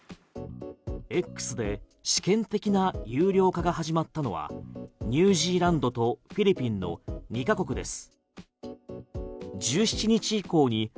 Ｘで試験的な有料化が始まったのはニュージーランドとフィリピンの２カ国です。